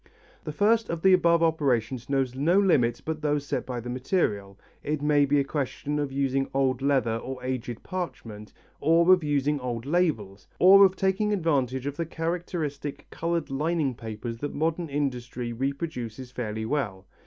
The first of the above operations knows no limits but those set by the material, it may be a question of using old leather or aged parchment, or of using old labels, or of taking advantage of the characteristic coloured lining papers that modern industry reproduces fairly well.